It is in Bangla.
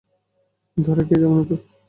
ধরা খেয়ে যাবো না তো?